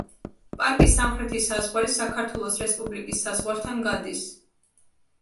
პარკის სამხრეთი საზღვარი საქართველოს რესპუბლიკის საზღვართან გადის.